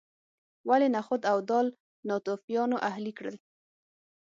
ولې نخود او دال ناتوفیانو اهلي کړل.